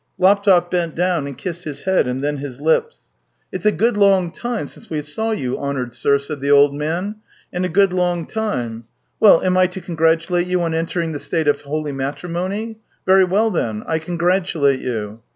Laptev bent down and kissed his head and then his lips. " It's a good long time since we saw you, honoured sir," said the old man —" a good long time. Well, am I to congratulate you on entering the state of holy matrimony ? Very well, then; I congratulate you."